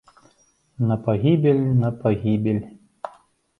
На пагібель, на пагібель!